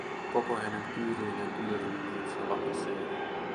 Koko hänen kyyryinen yläruumiinsa vapisee.